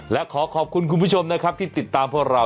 และขอขอบคุณคุณผู้ชมนะครับที่ติดตามพวกเรา